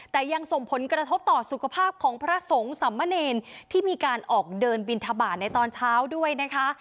แต่ยังส่งผลกระทบต่อสุขภาพของพระสงฆ์สำมะเนรที่มีการออกเดินบินทบาทในตอนเช้าด้วยนะคะ